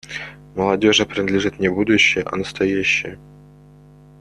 Молодежи принадлежит не будущее, а настоящее.